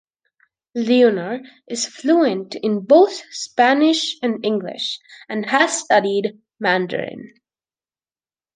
Leonor is fluent in both Spanish and English and has studied Mandarin.